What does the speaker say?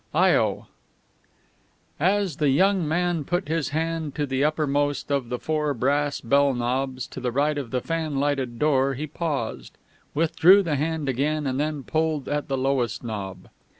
IO As the young man put his hand to the uppermost of the four brass bell knobs to the right of the fanlighted door he paused, withdrew the hand again, and then pulled at the lowest knob.